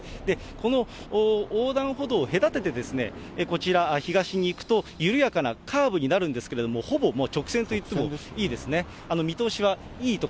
この横断歩道を隔ててこちら、東に行くと、緩やかなカーブになるんですけど、ほぼ直線といってもいいですね。